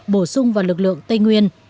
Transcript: bổ sung vào lực lượng tây nguyên